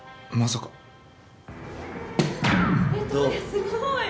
すごい。